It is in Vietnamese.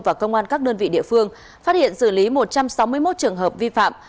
và công an các đơn vị địa phương phát hiện xử lý một trăm sáu mươi một trường hợp vi phạm